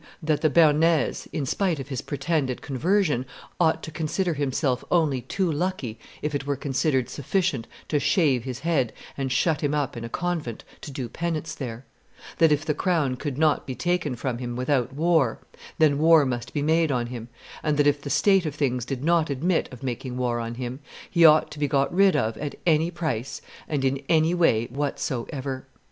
That the Bearnese, in spite of his pretended conversion, ought to consider himself only too lucky if it were considered sufficient to shave his head and shut him up in a convent to do penance there; that if the crown could not betaken from him without war, then war must be made on him; and that if the state of things did not admit of making war on him, he ought to be got rid of at any price and in any way whatsoever."